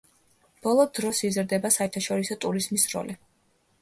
ბოლო დროს იზრდება საერთაშორისო ტურიზმის როლი.